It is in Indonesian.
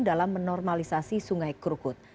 dalam menormalisasi sungai krukut